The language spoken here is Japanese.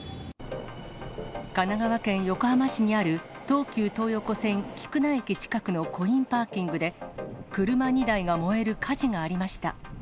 神奈川県横浜市にある東急東横線菊名駅近くのコインパーキングで、車２台が燃える火事がありました。